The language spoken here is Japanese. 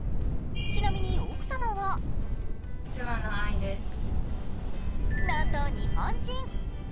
ちなみに奥様はなんと日本人。